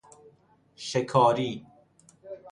شکاری